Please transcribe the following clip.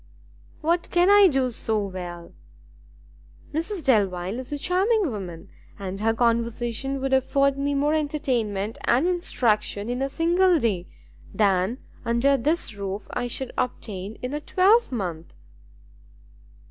"What can I do so well? Mrs Delvile is a charming woman, and her conversation would afford me more entertainment and instruction in a single day, than under this roof I should obtain in a twelvemonth."